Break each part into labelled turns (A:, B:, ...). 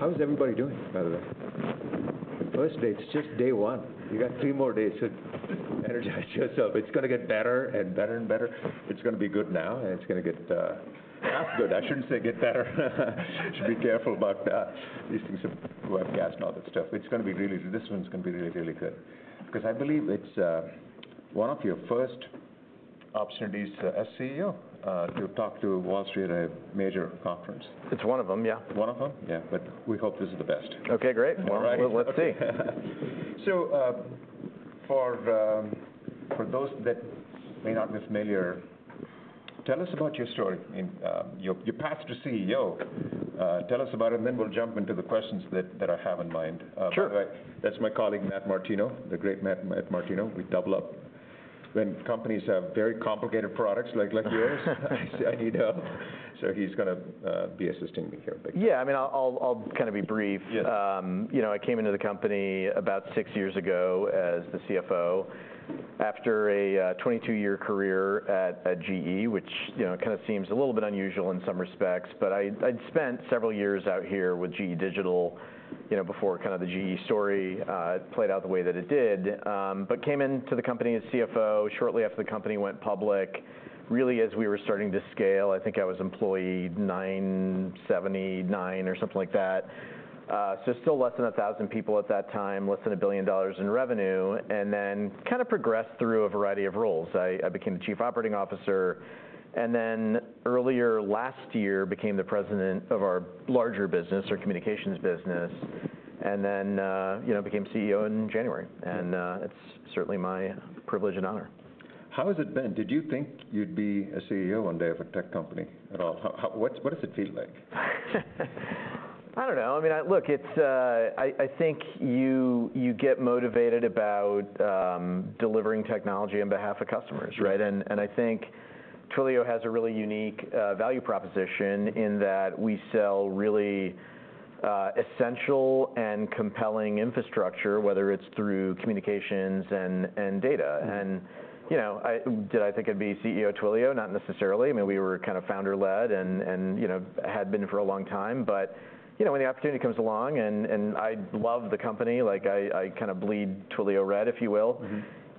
A: How is everybody doing, by the way? Firstly, it's just day one. You got three more days to energize yourself. It's gonna get better and better, and better. It's gonna be good now, and it's gonna get, not good. I shouldn't say get better. Should be careful about, these things of webcast and all that stuff. It's gonna be really, this one's gonna be really, really good. 'Cause I believe it's, one of your first opportunities as CEO, to talk to Wall Street at a major conference.
B: It's one of them, yeah.
A: One of them? Yeah, but we hope this is the best.
B: Okay, great.
A: All right.
B: Well, let's see.
A: For those that may not be familiar, tell us about your story. I mean, your path to CEO. Tell us about it, and then we'll jump into the questions that I have in mind.
B: Sure.
A: By the way, that's my colleague, Matt Martino, the great Matt, Matt Martino. We double up when companies have very complicated products like, like yours. I need help, so he's gonna be assisting me here, but-
B: Yeah, I mean, I'll kind of be brief.
A: Yeah.
B: You know, I came into the company about six years ago as the CFO, after a twenty-two-year career at GE, which, you know, kind of seems a little bit unusual in some respects. But I, I'd spent several years out here with GE Digital, you know, before kind of the GE story played out the way that it did. But came into the company as CFO shortly after the company went public, really, as we were starting to scale. I think I was employee 979 or something like that. So still less than a thousand people at that time, less than $1 billion in revenue, and then kind of progressed through a variety of roles. I became the Chief Operating Officer, and then earlier last year, became the President of our larger business, our communications business, and then, you know, became CEO in January, and it's certainly my privilege and honor.
A: How has it been? Did you think you'd be a CEO one day of a tech company at all? How... What does it feel like?
B: I don't know. I mean, look, it's, I think you get motivated about delivering technology on behalf of customers, right?
A: Yeah.
B: I think Twilio has a really unique value proposition in that we sell really essential and compelling infrastructure, whether it's through communications and data. You know, did I think I'd be CEO of Twilio? Not necessarily. I mean, we were kind of founder-led and, you know, had been for a long time. But, you know, when the opportunity comes along, and I love the company, like I kind of bleed Twilio red, if you will.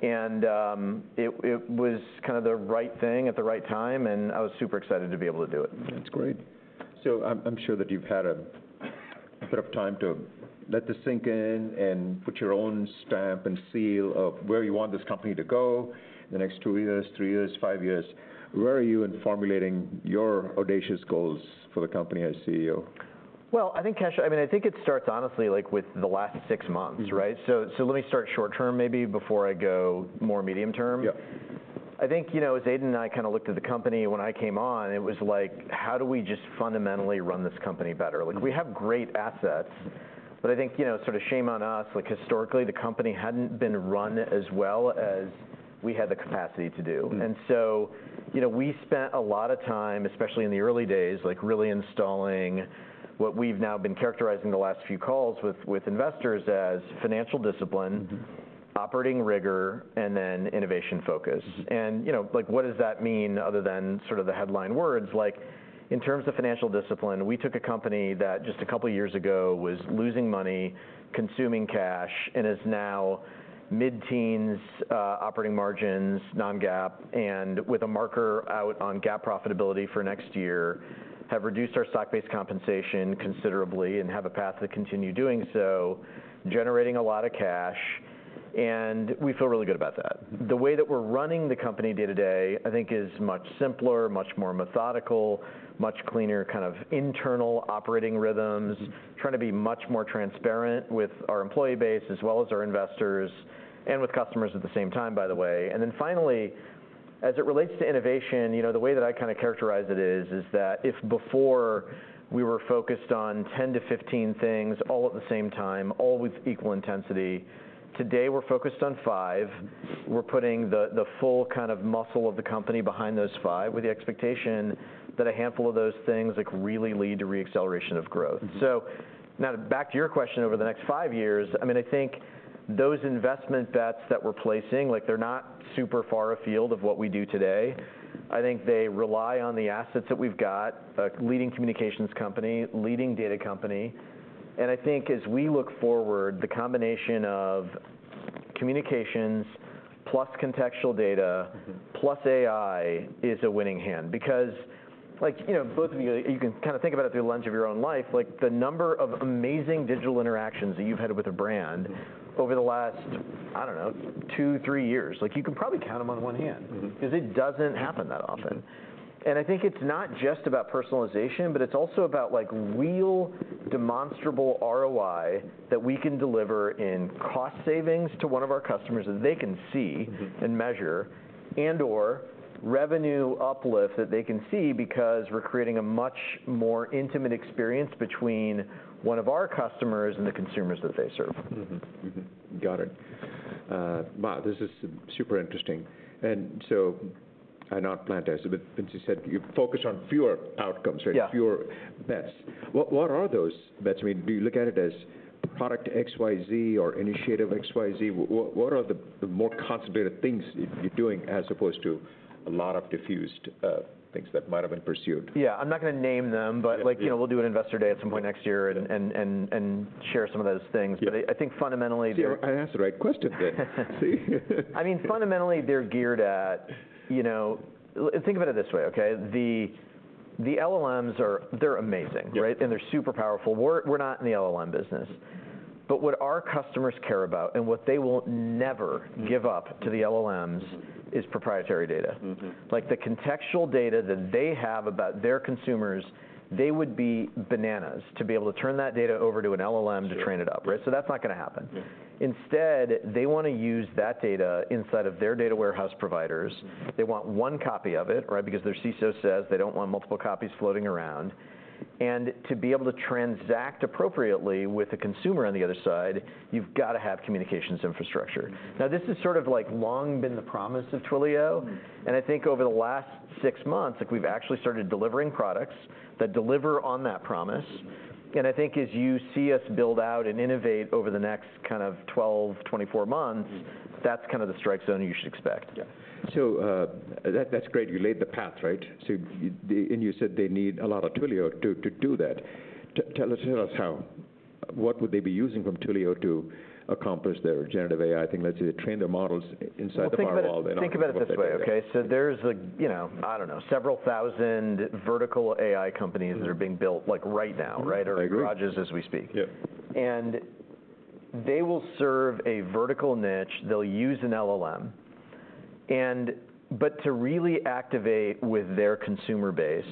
B: It was kind of the right thing at the right time, and I was super excited to be able to do it.
A: That's great. So I'm sure that you've had a bit of time to let this sink in and put your own stamp and seal of where you want this company to go in the next two years, three years, five years. Where are you in formulating your audacious goals for the company as CEO?
B: I think, Kash, I mean, I think it starts honestly, like, with the last six months, right? Let me start short term, maybe, before I go more medium term.
A: Yeah.
B: I think, you know, as Aidan and I kind of looked at the company when I came on, it was like: How do we just fundamentally run this company better? Like, we have great assets, but I think, you know, sort of shame on us, like historically, the company hadn't been run as well as we had the capacity to do. And so, you know, we spent a lot of time, especially in the early days, like really installing what we've now been characterizing the last few calls with investors as financial discipline.... operating rigor, and then innovation focus. And, you know, like, what does that mean other than sort of the headline words? Like, in terms of financial discipline, we took a company that just a couple of years ago was losing money, consuming cash, and is now mid-teens operating margins, non-GAAP, and with a marker out on GAAP profitability for next year. Have reduced our stock-based compensation considerably, and have a path to continue doing so, generating a lot of cash, and we feel really good about that. The way that we're running the company day to day, I think, is much simpler, much more methodical, much cleaner, kind of internal operating rhythms. Trying to be much more transparent with our employee base, as well as our investors, and with customers at the same time, by the way. Then finally, as it relates to innovation, you know, the way that I kind of characterize it is that if before we were focused on 10 to 15 things all at the same time, all with equal intensity, today we're focused on five. We're putting the full kind of muscle of the company behind those five, with the expectation that a handful of those things, like, really lead to re-acceleration of growth. So now back to your question, over the next five years, I mean, I think those investment bets that we're placing, like, they're not super far afield of what we do today. I think they rely on the assets that we've got, a leading communications company, leading data company. And I think as we look forward, the combination of communications plus contextual data-... plus AI, is a winning hand because, like, you know, both of you, you can kind of think about it through the lens of your own life. Like, the number of amazing digital interactions that you've had with a brand over the last, I don't know, two, three years, like, you can probably count them on one hand. 'Cause it doesn't happen that often. I think it's not just about personalization, but it's also about, like, real demonstrable ROI that we can deliver in cost savings to one of our customers, that they can see.... and measure, and/or revenue uplift that they can see, because we're creating a much more intimate experience between one of our customers and the consumers that they serve.
A: Got it. Wow, this is super interesting, and so I hadn't planned this, but since you said you focus on fewer outcomes, right?
B: Yeah.
A: Fewer bets. What are those bets? I mean, do you look at it as product XYZ or initiative XYZ, what are the more concentrated things you're doing as opposed to a lot of diffused things that might have been pursued?
B: Yeah, I'm not gonna name them-
A: Yeah.
B: But, like, you know, we'll do an investor day at some point next year and share some of those things.
A: Yeah.
B: But I think fundamentally-
A: See, I asked the right question then.
B: I mean, fundamentally, they're geared at, you know. Think about it this way, okay? The LLMs are. They're amazing, right?
A: Yeah.
B: They're super powerful. We're not in the LLM business, but what our customers care about, and what they will never-... give up to the LLMs is proprietary data. Like, the contextual data that they have about their consumers, they would be bananas to be able to turn that data over to an LLM-
A: Sure...
B: to train it up, right? So that's not gonna happen.
A: Yeah.
B: Instead, they want to use that data inside of their data warehouse providers. They want one copy of it, right? Because their CISO says they don't want multiple copies floating around. And to be able to transact appropriately with the consumer on the other side, you've got to have communications infrastructure. Now, this has sort of, like, long been the promise of Twilio. I think over the last six months, like, we've actually started delivering products that deliver on that promise. And I think as you see us build out and innovate over the next kind of 12-24 months-... that's kind of the strike zone you should expect.
A: Yeah. So, that, that's great. You laid the path, right? So and you said they need a lot of Twilio to do that. Tell us how. What would they be using from Twilio to accomplish their generative AI thing? Let's say they train their models inside the firewall, then-
B: Think about it, think about it this way, okay, so there's a, you know, I don't know, several thousand vertical AI companies-... that are being built, like, right now, right?
A: I agree.
B: In garages as we speak.
A: Yeah.
B: And they will serve a vertical niche. They'll use an LLM, and... But to really activate with their consumer base- ...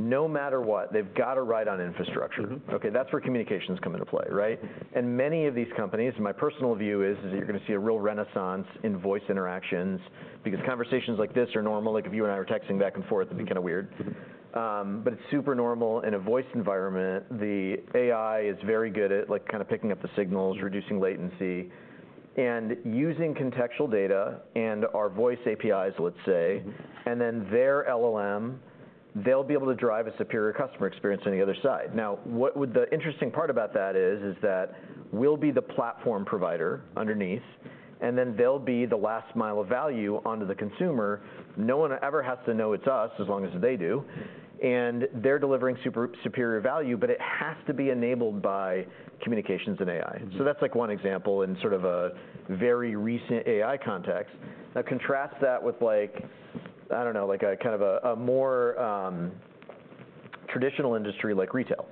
B: no matter what, they've got to ride on infrastructure. Okay, that's where communications come into play, right? And many of these companies, and my personal view is, you're going to see a real renaissance in voice interactions, because conversations like this are normal. Like, if you and I were texting back and forth, it'd be kind of weird. But it's super normal in a voice environment. The AI is very good at, like, kind of picking up the signals.... reducing latency. And using contextual data and our voice APIs, let's say-... and then their LLM, they'll be able to drive a superior customer experience on the other side. Now, the interesting part about that is that we'll be the platform provider underneath, and then they'll be the last mile of value onto the consumer. No one ever has to know it's us, as long as they do, and they're delivering superior value, but it has to be enabled by communications and AI. So that's, like, one example in sort of a very recent AI context. Now, contrast that with, like, I don't know, like, a kind of a more traditional industry, like retail,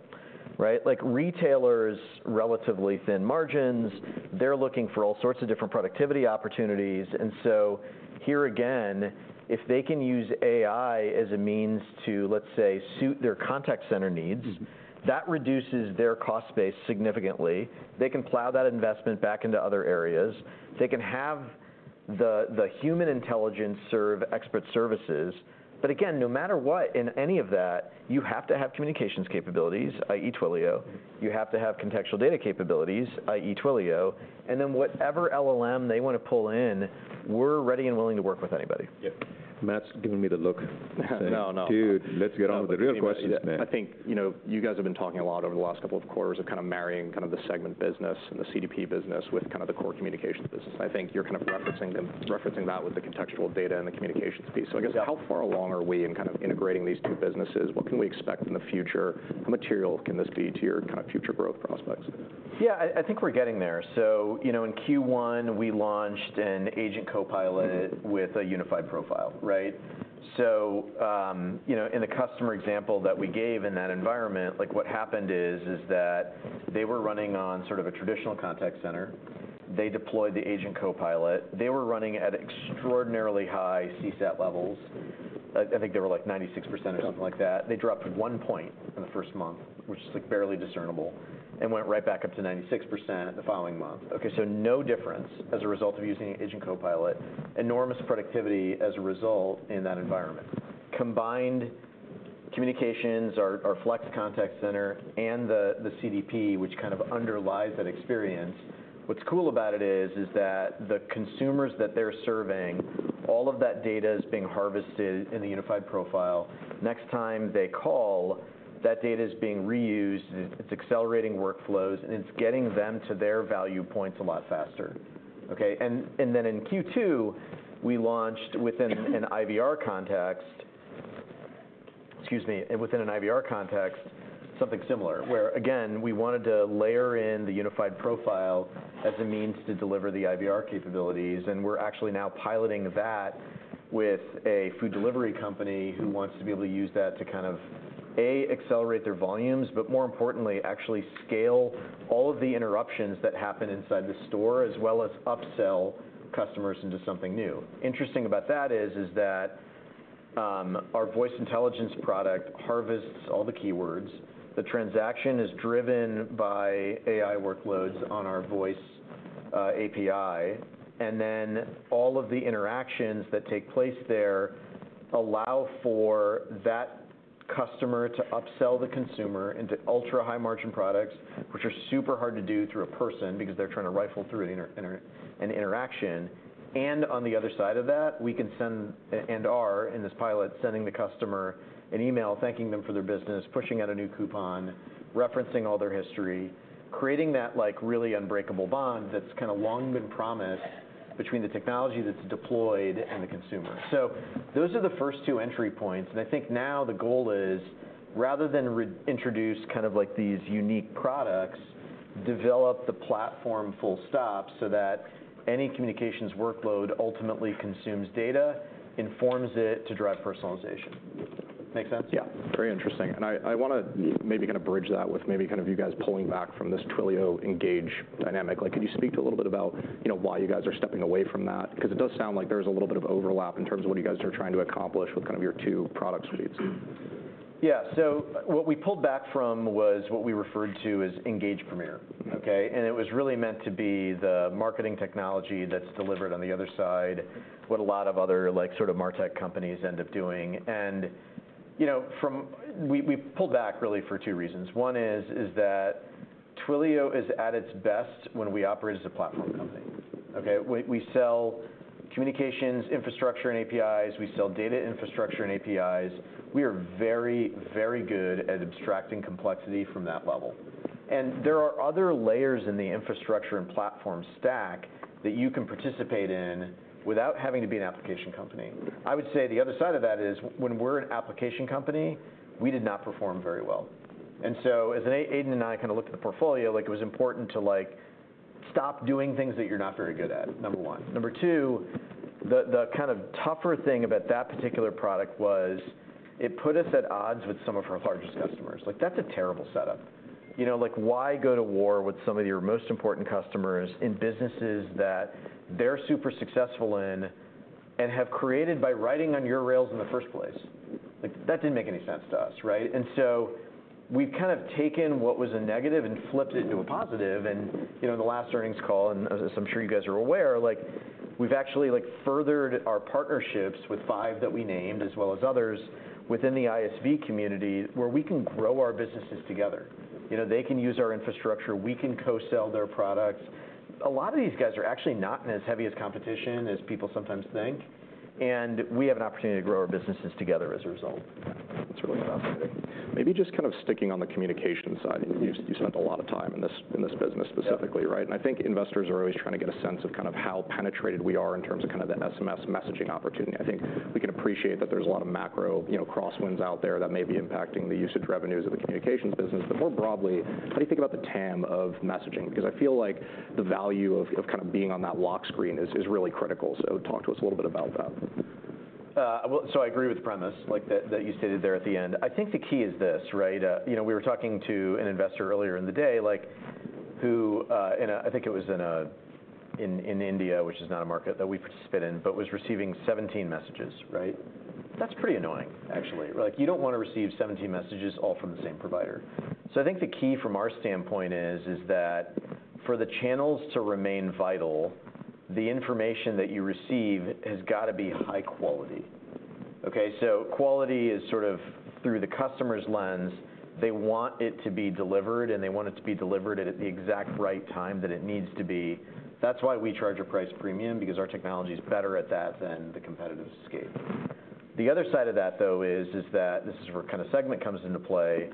B: right? Like, retailers, relatively thin margins, they're looking for all sorts of different productivity opportunities. And so here again, if they can use AI as a means to, let's say, suit their contact center needs-... that reduces their cost base significantly. They can plow that investment back into other areas. They can have the human intelligence serve expert services. But again, no matter what, in any of that, you have to have communications capabilities, i.e., Twilio. You have to have contextual data capabilities, i.e., Twilio. And then whatever LLM they want to pull in, we're ready and willing to work with anybody.
A: Yep. Matt's giving me the look-
B: No, no...
A: "Dude, let's get on with the real questions, man.
C: I think, you know, you guys have been talking a lot over the last couple of quarters of kind of marrying kind of the Segment business and the CDP business with kind of the core communications business. I think you're kind of referencing that with the contextual data and the communications piece.
B: Yeah.
C: So I guess, how far along are we in kind of integrating these two businesses? What can we expect in the future? How material can this be to your kind of future growth prospects?
B: Yeah, I think we're getting there. So, you know, in Q1, we launched an Agent Copilot-... with a Unified Profile, right? So, you know, in the customer example that we gave in that environment, like, what happened is that they were running on sort of a traditional contact center. They deployed the Agent Copilot. They were running at extraordinarily high CSAT levels. I think they were, like, 96% or something like that. They dropped one point in the first month, which is, like, barely discernible, and went right back up to 96% the following month. Okay, so no difference as a result of using Agent Copilot. Enormous productivity as a result in that environment. Combined communications, our Flex contact center and the CDP, which kind of underlies that experience, what's cool about it is that the consumers that they're serving, all of that data is being harvested in the Unified Profile. Next time they call, that data is being reused, it's accelerating workflows, and it's getting them to their value points a lot faster, okay? And then in Q2, we launched within an IVR context. Excuse me, within an IVR context, something similar, where, again, we wanted to layer in the Unified Profile as a means to deliver the IVR capabilities, and we're actually now piloting that with a food delivery company-... who wants to be able to use that to kind of, A, accelerate their volumes, but more importantly, actually scale all of the interruptions that happen inside the store, as well as upsell customers into something new. Interesting about that is that our Voice Intelligence product harvests all the keywords. The transaction is driven by AI workloads on our voice API, and then all of the interactions that take place there allow for that customer to upsell the consumer into ultra-high margin products, which are super hard to do through a person because they're trying to rifle through an interaction. And on the other side of that, we can send and are, in this pilot, sending the customer an email, thanking them for their business, pushing out a new coupon, referencing all their history, creating that, like, really unbreakable bond that's kind of long been promised between the technology that's deployed and the consumer. So those are the first two entry points, and I think now the goal is, rather than reintroduce kind of like these unique products, develop the platform full stop, so that any communications workload ultimately consumes data, informs it to drive personalization. Make sense?
C: Yeah, very interesting, and I want to maybe kind of bridge that with maybe kind of you guys pulling back from this Twilio Engage dynamic. Like, could you speak to a little bit about, you know, why you guys are stepping away from that? Because it does sound like there's a little bit of overlap in terms of what you guys are trying to accomplish with kind of your two product suites.
B: Yeah. So what we pulled back from was what we referred to as Engage Premier, okay? And it was really meant to be the marketing technology that's delivered on the other side, what a lot of other like, sort of martech companies end up doing. And, you know, we pulled back really for two reasons. One is that Twilio is at its best when we operate as a platform company, okay? We sell communications, infrastructure, and APIs. We sell data infrastructure and APIs. We are very, very good at abstracting complexity from that level. And there are other layers in the infrastructure and platform stack that you can participate in without having to be an application company. I would say the other side of that is, when we're an application company, we did not perform very well. And so as Aidan and I kind of looked at the portfolio, like, it was important to, like, stop doing things that you're not very good at, number one. Number two, the kind of tougher thing about that particular product was it put us at odds with some of our largest customers. Like, that's a terrible setup. You know, like, why go to war with some of your most important customers in businesses that they're super successful in and have created by riding on your rails in the first place? Like, that didn't make any sense to us, right? And so we've kind of taken what was a negative and flipped it into a positive. You know, in the last earnings call, and as I'm sure you guys are aware, like, we've actually, like, furthered our partnerships with five that we named, as well as others, within the ISV community, where we can grow our businesses together. You know, they can use our infrastructure, we can co-sell their products. A lot of these guys are actually not in as heavy as competition as people sometimes think, and we have an opportunity to grow our businesses together as a result.
C: That's really fascinating. Maybe just kind of sticking on the communication side. You spent a lot of time in this business specifically, right?
B: Yep.
C: I think investors are always trying to get a sense of kind of how penetrated we are in terms of kind of the SMS messaging opportunity. I think we can appreciate that there's a lot of macro, you know, crosswinds out there that may be impacting the usage revenues of the communications business. More broadly, how do you think about the TAM of messaging? Because I feel like the value of kind of being on that lock screen is really critical. Talk to us a little bit about that.
B: Well, so I agree with the premise, like, that you stated there at the end. I think the key is this, right? You know, we were talking to an investor earlier in the day, like, who I think it was in India, which is not a market that we participate in, but was receiving 17 messages, right? That's pretty annoying, actually. Like, you don't want to receive 17 messages all from the same provider. So I think the key from our standpoint is that for the channels to remain vital, the information that you receive has got to be high quality, okay? So quality is sort of through the customer's lens. They want it to be delivered, and they want it to be delivered at the exact right time that it needs to be. That's why we charge a price premium, because our technology's better at that than the competitive landscape. The other side of that, though, is that this is where kind of Segment comes into play: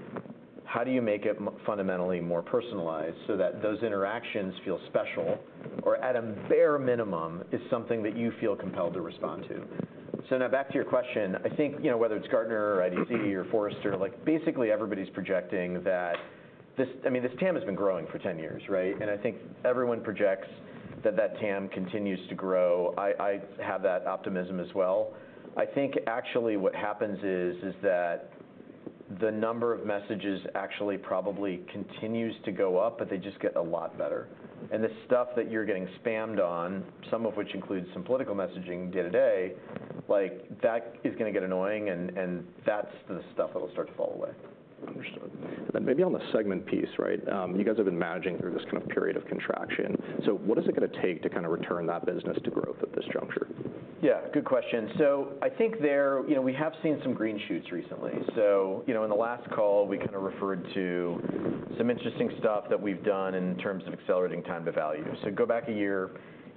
B: How do you make it fundamentally more personalized so that those interactions feel special, or at a bare minimum, is something that you feel compelled to respond to? So now back to your question. I think, you know, whether it's Gartner or IDC or Forrester, like, basically everybody's projecting that this- I mean, this TAM has been growing for ten years, right? And I think everyone projects that that TAM continues to grow. I have that optimism as well. I think actually what happens is that the number of messages actually probably continues to go up, but they just get a lot better. The stuff that you're getting spammed on, some of which includes some political messaging day to day, like, that is going to get annoying, and, and that's the stuff that will start to fall away.
C: Understood. Then maybe on the Segment piece, right? You guys have been managing through this kind of period of contraction. So what is it going to take to kind of return that business to growth at this juncture?
B: Yeah, good question. So I think there... You know, we have seen some green shoots recently. So, you know, in the last call, we kind of referred to some interesting stuff that we've done in terms of accelerating time to value. So go back a year,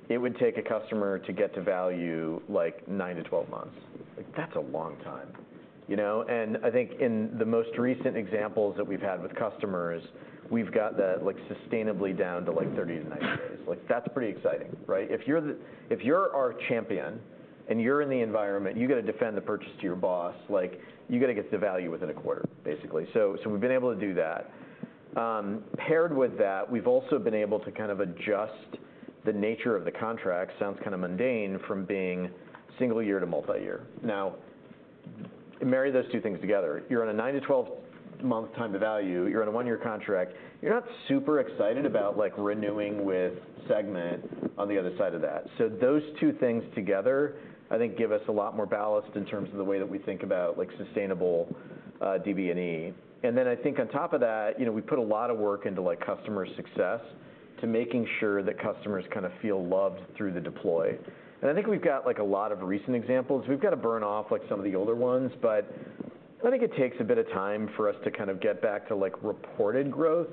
B: it would take a customer to get to value, like, 9-12 months. Like, that's a long time, you know? And I think in the most recent examples that we've had with customers, we've got that, like, sustainably down to, like, 30-90 days. Like, that's pretty exciting, right? If you're our champion and you're in the environment, you got to defend the purchase to your boss, like, you got to get to value within a quarter, basically. So we've been able to do that. Paired with that, we've also been able to kind of adjust the nature of the contract, sounds kind of mundane, from being single year to multiyear. Now, marry those two things together. You're on a nine to twelve-month time to value. You're on a one-year contract. You're not super excited about, like, renewing with Segment on the other side of that. So those two things together, I think, give us a lot more ballast in terms of the way that we think about, like, sustainable, DBNE. And then I think on top of that, you know, we put a lot of work into, like, customer success, to making sure that customers kind of feel loved through the deploy. And I think we've got, like, a lot of recent examples. We've got to burn off, like, some of the older ones, but-... I think it takes a bit of time for us to kind of get back to, like, reported growth.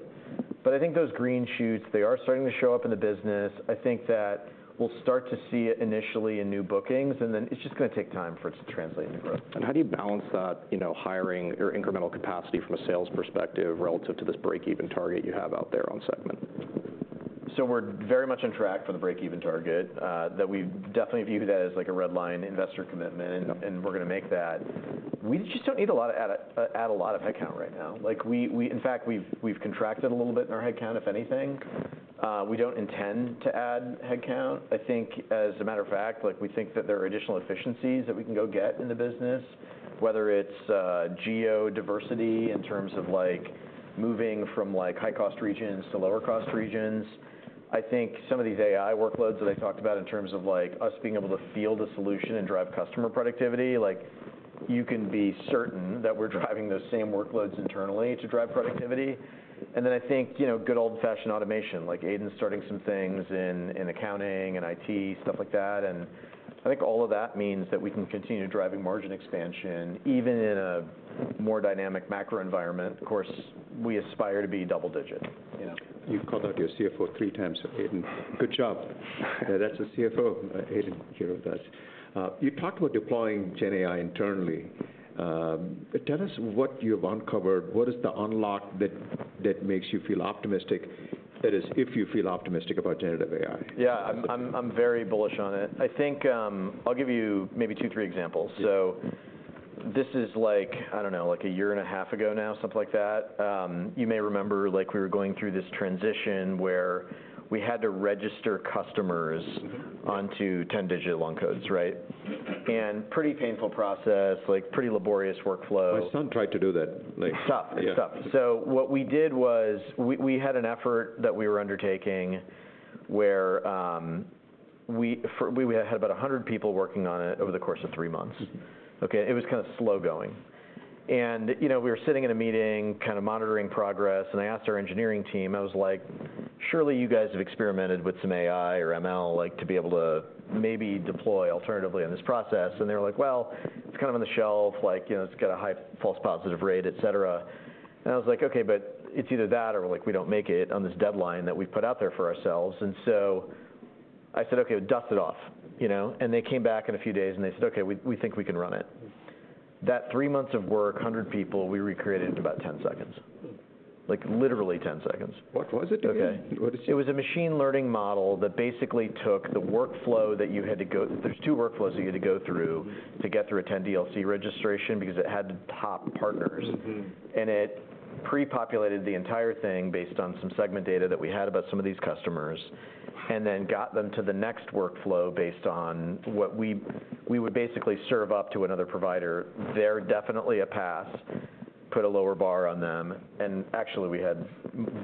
B: But I think those green shoots, they are starting to show up in the business. I think that we'll start to see it initially in new bookings, and then it's just gonna take time for it to translate into growth.
A: How do you balance that, you know, hiring or incremental capacity from a sales perspective relative to this breakeven target you have out there on Segment?
B: So we're very much on track for the breakeven target, that we definitely view that as, like, a red line investor commitment-
A: Yep
B: and we're gonna make that. We just don't need a lot of add a lot of headcount right now. Like, we, in fact, we've contracted a little bit in our headcount, if anything. We don't intend to add headcount. I think, as a matter of fact, like, we think that there are additional efficiencies that we can go get in the business, whether it's geo diversity in terms of, like, moving from, like, high-cost regions to lower-cost regions. I think some of these AI workloads that I talked about in terms of, like, us being able to field a solution and drive customer productivity, like, you can be certain that we're driving those same workloads internally to drive productivity. Then I think, you know, good old-fashioned automation, like Aidan's starting some things in accounting and IT, stuff like that, and I think all of that means that we can continue driving margin expansion, even in a more dynamic macro environment. Of course, we aspire to be double digit, you know?
A: You've called out your CFO three times, Aidan. Good job. That's the CFO, Aidan, here with us. You talked about deploying GenAI internally. Tell us what you've uncovered. What is the unlock that makes you feel optimistic? That is, if you feel optimistic about generative AI.
B: Yeah. I'm very bullish on it. I think, I'll give you maybe two, three examples.
A: Yeah.
B: So this is like, I don't know, like, a year and a half ago now, something like that. You may remember, like, we were going through this transition where we had to register customers-... onto ten-digit long codes, right? And pretty painful process, like, pretty laborious workflow.
A: My son tried to do that, like. It's tough. Yeah.
B: It's tough. So what we did was, we had an effort that we were undertaking where we had about 100 people working on it over the course of three months. Okay? It was kind of slow going. And, you know, we were sitting in a meeting, kind of monitoring progress, and I asked our engineering team. I was like: "Surely, you guys have experimented with some AI or ML, like, to be able to maybe deploy alternatively in this process?" And they were like, "Well, it's kind of on the shelf. Like, you know, it's got a high false positive rate, et cetera." And I was like: Okay, but it's either that or, like, we don't make it on this deadline that we've put out there for ourselves. And so I said, "Okay, dust it off," you know? And they came back in a few days, and they said, "Okay, we think we can run it. That three months of work, 100 people, we recreated in about 10 seconds. Like, literally 10 seconds.
A: What was it doing?
B: Okay.
A: What is-
B: It was a machine learning model that basically took the workflow that you had to go... There's two workflows that you had to go through-... to get through a 10DLC registration because it had top partners. It pre-populated the entire thing based on some Segment data that we had about some of these customers, and then got them to the next workflow based on what we would basically serve up to another provider. They're definitely a pass, put a lower bar on them, and actually, we had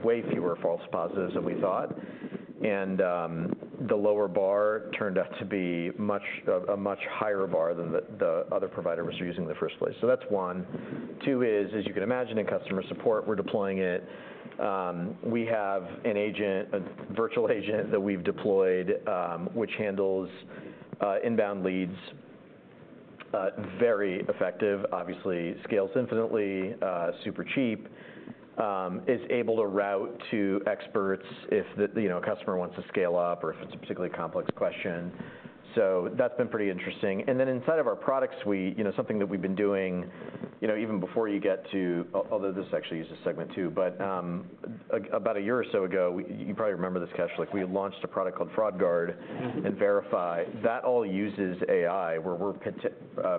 B: way fewer false positives than we thought. The lower bar turned out to be much higher bar than the other provider was using in the first place. So that's one. Two is, as you can imagine, in customer support, we're deploying it. We have an agent, a virtual agent that we've deployed, which handles inbound leads. Very effective, obviously, scales infinitely, super cheap, is able to route to experts if the, you know, customer wants to scale up or if it's a particularly complex question. So that's been pretty interesting. Then inside of our product suite, you know, something that we've been doing, you know, even before you get to. Although this actually is a Segment too, but, about a year or so ago, we. You probably remember this, Kash, like, we launched a product called Fraud Guard.... and Verify. That all uses AI, where we're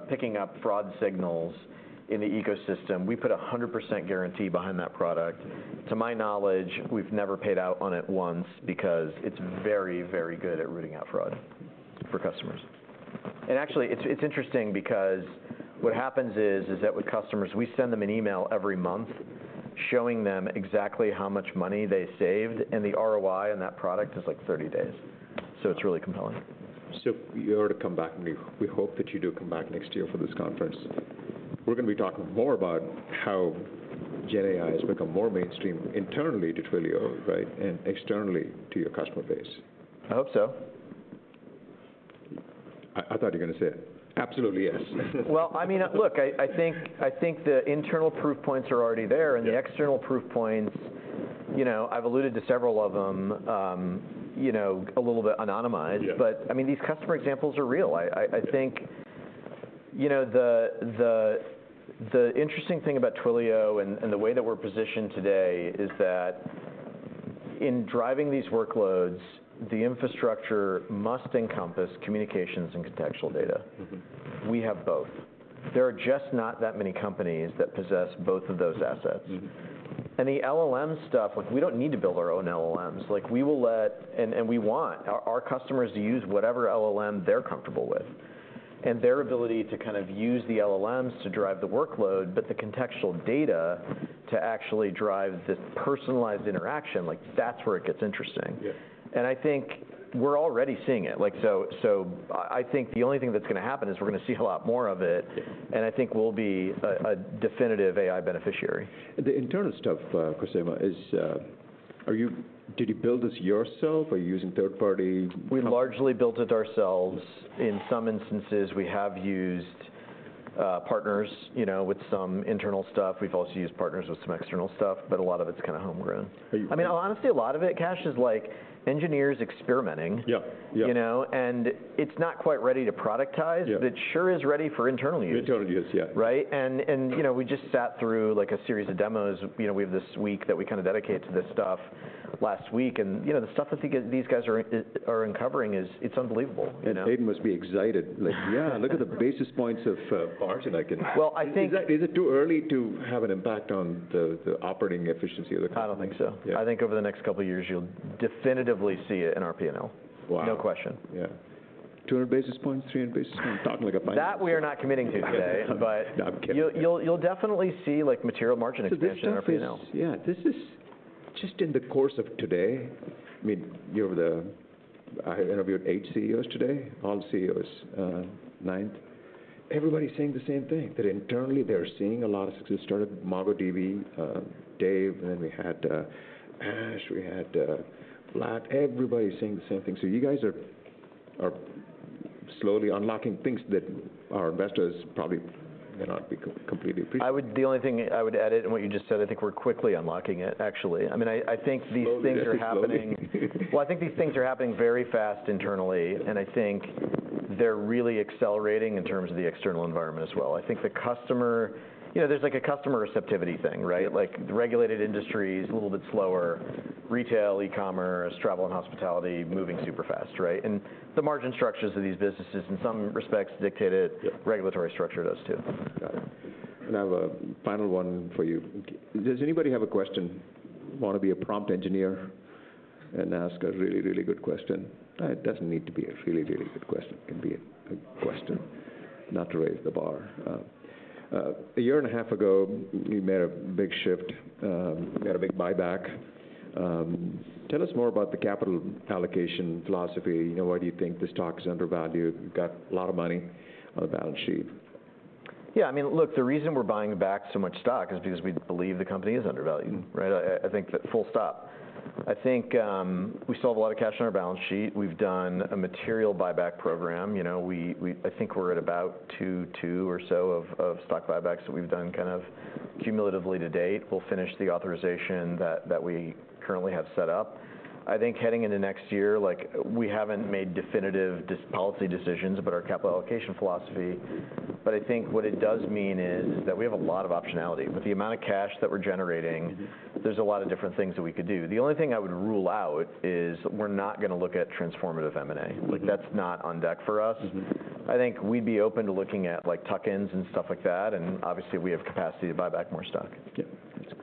B: picking up fraud signals in the ecosystem. We put a 100% guarantee behind that product. To my knowledge, we've never paid out on it once because it's very, very good at rooting out fraud for customers. Actually, it's interesting because what happens is that with customers, we send them an email every month showing them exactly how much money they saved, and the ROI on that product is, like, 30 days, so it's really compelling.
A: You're to come back, and we hope that you do come back next year for this conference. We're gonna be talking more about how GenAI has become more mainstream internally to Twilio, right, and externally to your customer base.
B: I hope so.
A: I thought you were gonna say, "Absolutely, yes.
B: I mean, look, I think the internal proof points are already there.
A: Yeah...
B: and the external proof points, you know, I've alluded to several of them, you know, a little bit anonymized.
A: Yeah.
B: I mean, these customer examples are real. I think-
A: Yeah...
B: you know, the interesting thing about Twilio and the way that we're positioned today is that in driving these workloads, the infrastructure must encompass communications and contextual data. We have both. There are just not that many companies that possess both of those assets. The LLM stuff, like, we don't need to build our own LLMs. Like, we will let... We want our customers to use whatever LLM they're comfortable with, and their ability to kind of use the LLMs to drive the workload, but the contextual data to actually drive the personalized interaction, like, that's where it gets interesting.
A: Yeah.
B: I think we're already seeing it.
A: Yeah.
B: Like, so I think the only thing that's gonna happen is we're gonna see a lot more of it-
A: Yeah...
B: and I think we'll be a definitive AI beneficiary.
A: The internal stuff, Kash, is. Are you, did you build this yourself, or are you using third-party?
B: We largely built it ourselves. In some instances, we have used partners, you know, with some internal stuff. We've also used partners with some external stuff, but a lot of it's kind of homegrown.
A: Are you-
B: I mean, honestly, a lot of it, Kash, is like engineers experimenting.
A: Yep. Yep.
B: You know? And it's not quite ready to productize.
A: Yeah...
B: but it sure is ready for internal use.
A: Internal use, yeah.
B: Right? And you know, we just sat through, like, a series of demos, you know. We have this week that we kind of dedicate to this stuff, last week, and you know, the stuff I think these guys are uncovering is, it's unbelievable, you know?
A: And Dev must be excited, like, "Yeah, look at the basis points of, margin I can-
B: I think.
A: Is that, is it too early to have an impact on the operating efficiency of the company?
B: I don't think so.
A: Yeah.
B: I think over the next couple of years, you'll definitively see it in our P&L.
A: Wow.
B: No question.
A: Yeah. 200 basis points, 300 basis points? I'm talking like a banker.
B: That we are not committing to today.
A: No, I'm kidding.
B: You'll definitely see, like, material margin expansion in our P&L.
A: This stuff is. Yeah, this is just in the course of today. I mean, you're the ninth. I interviewed eight CEOs today, all CEOs. Everybody is saying the same thing, that internally they're seeing a lot of success story. MongoDB, Dev, and then we had Ash. We had Vlad. Everybody is saying the same thing. You guys are slowly unlocking things that our investors probably may not be completely appreciative of.
B: The only thing I would add in what you just said, I think we're quickly unlocking it, actually. I mean, I think these things are happening.
A: Slowly. Yes, slowly.
B: I think these things are happening very fast internally, and I think they're really accelerating in terms of the external environment as well. I think the customer... You know, there's like a customer receptivity thing, right? Like, the regulated industry is a little bit slower, retail, e-commerce, travel and hospitality, moving super fast, right? And the margin structures of these businesses, in some respects, dictate it.
A: Yeah.
B: Regulatory structure does, too.
A: Got it. And I have a final one for you. Does anybody have a question? Want to be a prompt engineer and ask a really, really good question? It doesn't need to be a really, really good question. It can be a good question, not to raise the bar. A year and a half ago, you made a big shift, you had a big buyback. Tell us more about the capital allocation philosophy. You know, why do you think this stock is undervalued? You've got a lot of money on the balance sheet.
B: Yeah, I mean, look, the reason we're buying back so much stock is because we believe the company is undervalued, right? I think that, full stop. I think we still have a lot of cash on our balance sheet. We've done a material buyback program. You know, I think we're at about two or so stock buybacks that we've done kind of cumulatively to date. We'll finish the authorization that we currently have set up. I think heading into next year, like, we haven't made definitive policy decisions about our capital allocation philosophy, but I think what it does mean is that we have a lot of optionality with the amount of cash that we're generating.... there's a lot of different things that we could do. The only thing I would rule out is we're not gonna look at transformative M&A. Like, that's not on deck for us. I think we'd be open to looking at, like, tuck-ins and stuff like that, and obviously, we have capacity to buy back more stock.
A: Yeah, that's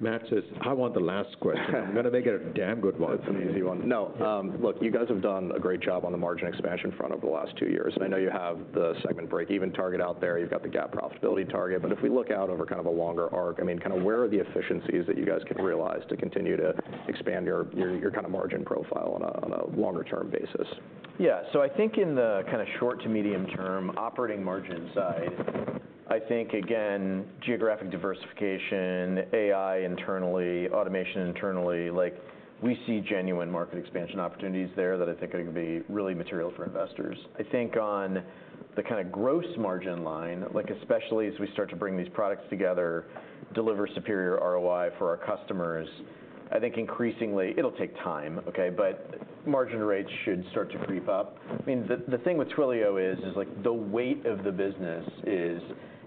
A: great. Matt says, "I want the last question." I'm going to make it a damn good one.
C: It's an easy one. No.
A: Yeah.
C: Look, you guys have done a great job on the margin expansion front over the last two years, and I know you have the Segment break-even target out there. You've got the GAAP profitability target, but if we look out over kind of a longer arc, I mean, kind of where are the efficiencies that you guys can realize to continue to expand your kind of margin profile on a longer term basis?
B: Yeah. So I think in the kind of short to medium term, operating margin side, I think, again, geographic diversification, AI internally, automation internally, like, we see genuine market expansion opportunities there that I think are going to be really material for investors. I think on the kind of gross margin line, like especially as we start to bring these products together, deliver superior ROI for our customers, I think increasingly it'll take time, okay? But margin rates should start to creep up. I mean, the thing with Twilio is, like, the weight of the business is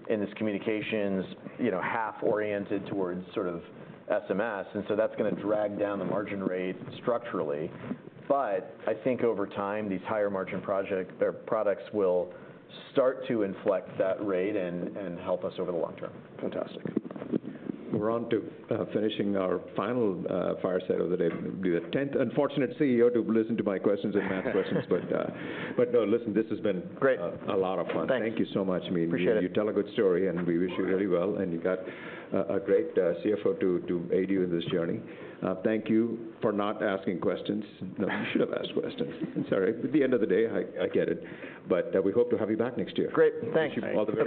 B: in this communications, you know, half oriented towards sort of SMS, and so that's gonna drag down the margin rate structurally. But I think over time, these higher margin project, or products will start to inflect that rate and help us over the long term.
C: Fantastic.
A: We're on to finishing our final fireside of the day. You'll be the 10th unfortunate CEO to listen to my questions and Matt's questions. But no, listen, this has been-
B: Great...
A: a lot of fun.
B: Thanks.
A: Thank you so much, Amin.
B: Appreciate it.
A: You tell a good story, and we wish you really well.
B: Thanks.
A: You got a great CFO to aid you in this journey. Thank you for not asking questions. No, you should have asked questions. Sorry. At the end of the day, I get it, but we hope to have you back next year.
B: Great. Thank you.
A: Wish you all the best.